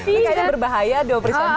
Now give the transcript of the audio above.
ini kayaknya berbahaya doh presenternya